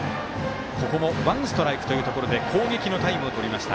ワンストライクのところで攻撃のタイムをとりました。